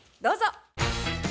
どうぞ。